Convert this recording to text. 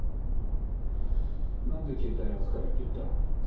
なんで携帯を預かるって言ったの？